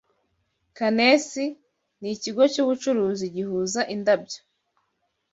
Canesi nikigo cyubucuruzi gihuze indabyo